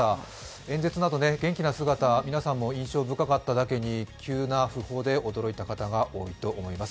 演説など元気な姿、皆さんも印象深かっただけに急な訃報で驚いた方も多いと思います。